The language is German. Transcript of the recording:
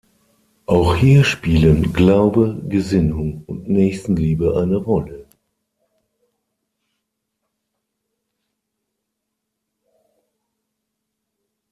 Auch hier spielen Glaube, Gesinnung und Nächstenliebe eine Rolle.